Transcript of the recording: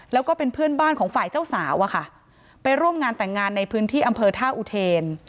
แล้วก็เป็นเพื่อนบ้านของฝ่ายเจ้าสาวอะค่ะไปร่วมงานแต่งงานในพื้นที่อำเภอท่าอุเทน